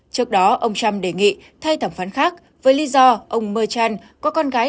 trước đó ông trump đề nghị thay thẩm phán khác với lý do ông merchan có con gái